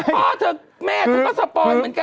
พ่อเธอแม่เธอก็สปอยเหมือนกัน